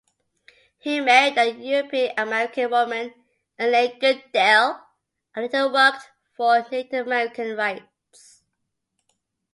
He married a European-American woman, Elaine Goodale, and later worked for Native American rights.